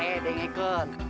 eh deng ikut